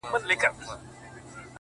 د ژوندون نور وړی دی اوس په مدعا يمه زه،